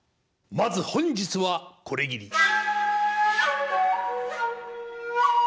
まず本日はこれぎり。